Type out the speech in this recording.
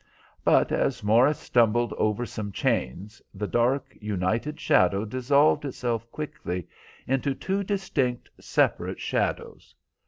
But as Morris stumbled over some chains, the dark, united shadow dissolved itself quickly into two distinct separate shadows.